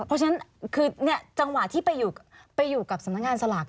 เพราะฉะนั้นคือจังหวะที่ไปอยู่กับสำนักงานสลาก